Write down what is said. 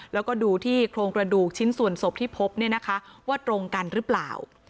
แล้วก็ดูที่โครงกระดูกชิ้นส่วนศพที่พบเนี่ยนะคะว่าตรงกันหรือเปล่า